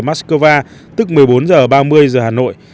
moscow tức một mươi bốn h ba mươi giờ hà nội